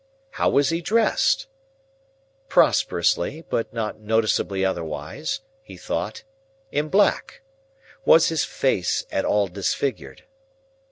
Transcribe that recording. How was he dressed? Prosperously, but not noticeably otherwise; he thought, in black. Was his face at all disfigured?